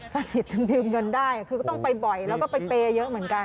สนิทจนยืมเงินได้คือก็ต้องไปบ่อยแล้วก็ไปเปย์เยอะเหมือนกัน